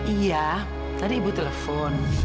iya tadi ibu telepon